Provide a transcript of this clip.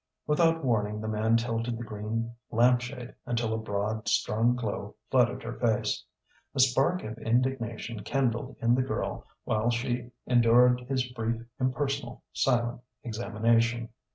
Without warning the man tilted the green lamp shade until a broad, strong glow flooded her face. A spark of indignation kindled in the girl while she endured his brief, impersonal, silent examination.